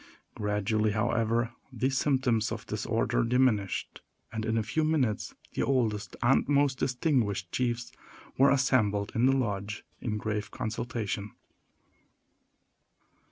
Gradually, however, these symptoms of disorder diminished; and in a few minutes the oldest and most distinguished chiefs were assembled in the lodge, in grave consultation.